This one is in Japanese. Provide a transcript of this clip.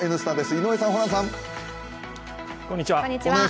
井上さん、ホランさん。